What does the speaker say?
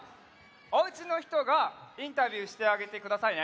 おうちのひとがインタビューしてあげてくださいね。